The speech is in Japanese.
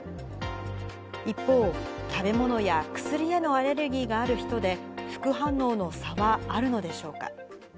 一方、食べ物や薬へのアレルギーがある人で、副反応の差はあるのでしょうか。